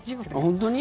本当に？